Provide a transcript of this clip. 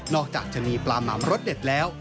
จากจะมีปลาหม่ำรสเด็ดแล้ว